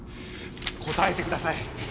答えてください！